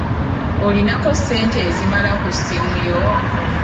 Olinako ssente ezimala ku ssimu yo?